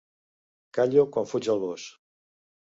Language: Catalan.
Callo quan fuig el gos.